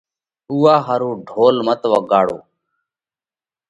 اُوئا ۿارُو ڍول مت وڳاڙو۔